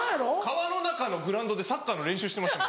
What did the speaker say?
川の中のグラウンドでサッカーの練習してました。